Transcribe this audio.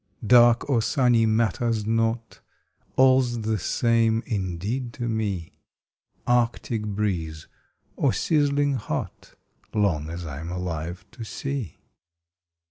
Dark or sunny matters not. All s the same indeed to me Arctic breeze, or sizzling hot Long as I m alive to see.